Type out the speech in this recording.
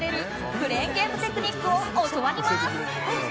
クレーンゲームテクニックを教わります。